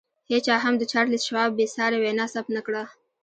هېچا هم د چارلیس شواب بې ساري وینا ثبت نه کړه